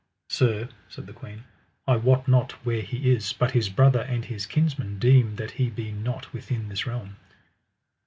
Sir, said the queen, I wot not where he is, but his brother and his kinsmen deem that he be not within this realm.